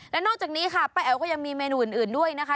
และนอกจากนี้ค่ะป้าแอ๋วก็ยังมีเมนูอื่นด้วยนะคะ